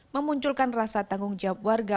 memunculkan rasa tanggung jawab warga